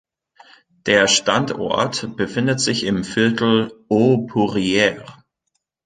Der Standort befindet sich im Viertel Haut-Poirier.